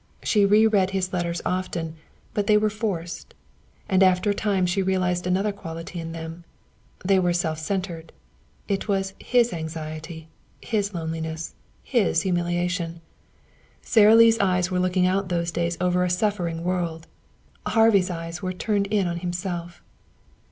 She reread his letters often, but they were forced. And after a time she realized another quality in them. They were self centered. It was his anxiety, his loneliness, his humiliation. Sara Lee's eyes were looking out, those days, over a suffering world. Harvey's eyes were turned in on himself.